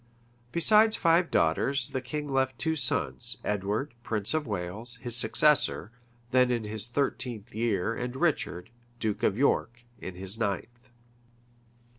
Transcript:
Besides five daughters, this king left two sons; Edward, prince of Wales, his successor, then in his thirteenth year and Richard, duke of York, in his ninth.